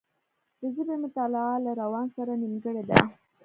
د ژبې مطالعه له روان سره نېمګړې ده